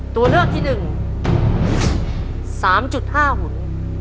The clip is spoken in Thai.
ตัวเลือกที่หนึ่ง๓๕หุ่น